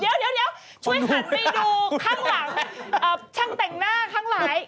เดี๋ยวช่วยหันไปดูข้างหลังช่างแต่งหน้าทั้งหลาย